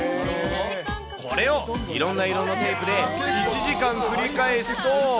これをいろんな色のテープで１時間繰り返すと。